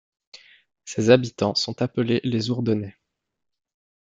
Ses habitants sont appelés les Ourdonnais.